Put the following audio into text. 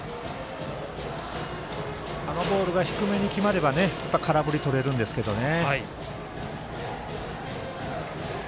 あのボールが低めに決まれば空振りをとれるんですけどね。